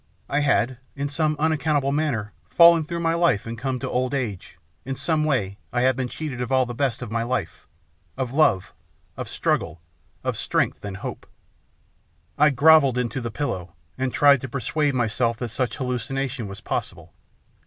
I had in some unaccountable manner fallen through my life and come to old age, in some way I had been cheated of all the best of my life, of love, of struggle, of strength, and hope. I grovelled into the pillow and tried to persuade myself that such hallucination was possible.